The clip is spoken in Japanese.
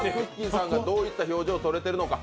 さんがどういった表情を撮られているか。